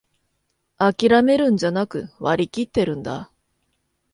あきらめるんじゃなく、割りきってるんだ